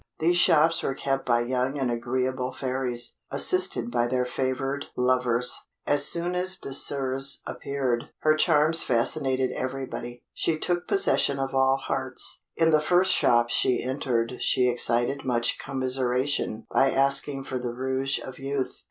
These shops were kept by young and agreeable fairies, assisted by their favoured lovers. As soon as Désirs appeared, her charms fascinated everybody. She took possession of all hearts. In the first shops she entered she excited much commiseration by asking for the Rouge of Youth.